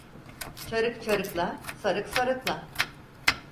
Çarık çarıkla, sarık sarıkla.